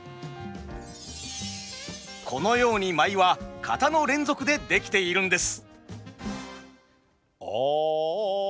このように舞は型の連続で出来ているんです。